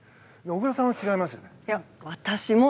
小椋さんは違いますよね。